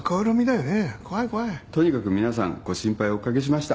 とにかく皆さんご心配お掛けしました。